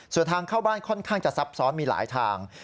ส่วนทางเข้าบ้านค่อนข้างจะซับซ้อนมีหลายทาง